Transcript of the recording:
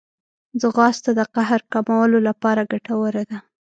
ځغاسته د قهر کمولو لپاره ګټوره ده